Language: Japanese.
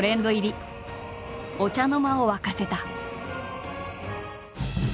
お茶の間を沸かせた。